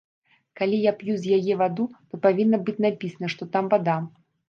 Калі я п'ю з яе ваду, то павінна быць напісана, што там вада.